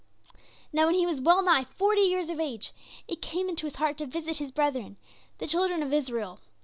"Now when he was well nigh forty years of age, it came into his heart to visit his brethren, the children of Israel.